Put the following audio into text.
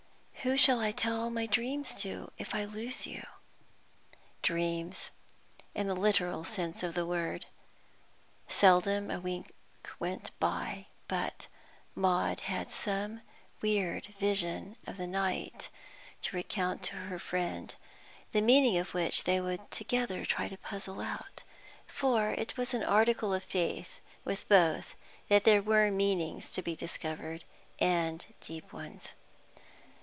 Who shall I tell all my dreams to, if I lose you?" Dreams, in the literal sense of the word. Seldom a week went by, but Maud had some weird vision of the night to recount to her friend, the meaning of which they would together try to puzzle out; for it was an article of faith with both that there were meanings to be discovered, and deep ones.